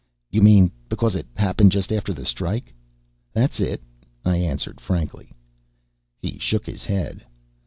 "You mean, because it happened just after the strike?" "That's it," I answered frankly. He shook his head.